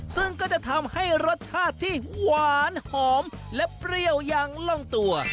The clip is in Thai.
ซึ่งก็จะทำให้รสชาติที่หวานหอมและเปรี้ยวอย่างล่องตัว